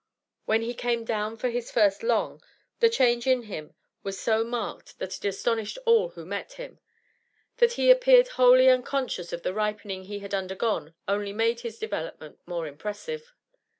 When he came down for his first 'long' the change in him was so marked that it astonished all who met him; that he appeared wholly unconscious of the ripening he had undergone only made his development more impressive.